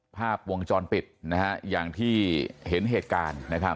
ภาพวงจรปิดนะฮะอย่างที่เห็นเหตุการณ์นะครับ